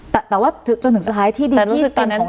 แต่ว่าจนถึงสุดท้ายที่ดินที่ดินของเรา